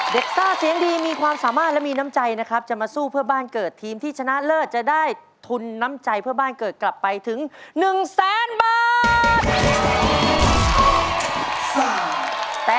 ซ่าเสียงดีมีความสามารถและมีน้ำใจนะครับจะมาสู้เพื่อบ้านเกิดทีมที่ชนะเลิศจะได้ทุนน้ำใจเพื่อบ้านเกิดกลับไปถึง๑แสนบาท